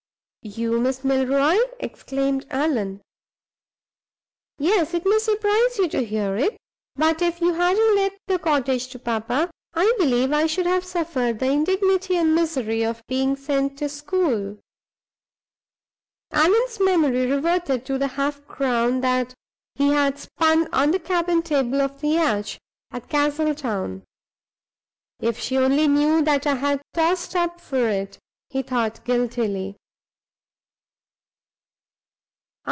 "You, Miss Milroy!" exclaimed Allan. "Yes. It may surprise you to hear it; but if you hadn't let the cottage to papa, I believe I should have suffered the indignity and misery of being sent to school." Allan's memory reverted to the half crown that he had spun on the cabin table of the yacht, at Castletown. "If she only knew that I had tossed up for it!" he thought, guiltily.